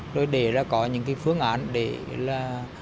rồi để ra có những cái phương án để là